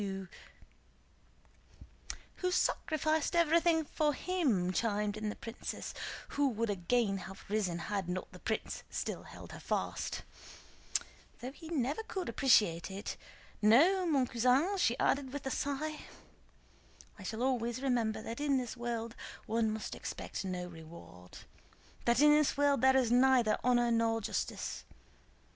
"Who sacrificed everything for him," chimed in the princess, who would again have risen had not the prince still held her fast, "though he never could appreciate it. No, mon cousin," she added with a sigh, "I shall always remember that in this world one must expect no reward, that in this world there is neither honor nor justice.